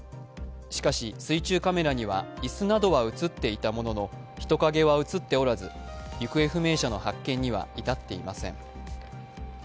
しかし、水中カメラには椅子などは映っていたものの人影は映っておらず行方不明者の発見には至っていません。